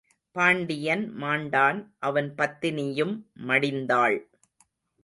பாண்டியன் மாண்டான் அவன் பத்தினியும் மடிந்தாள்.